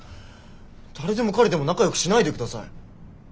誰でも彼でも仲よくしないでください。